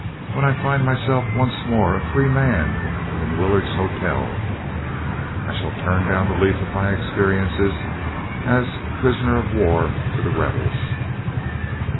When I find myself once more a free man in Willard's Hotel, I shall turn down the leaf of my experiences as prisoner of war to the rebels.